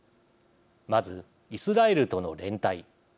まずイスラエルとの連帯。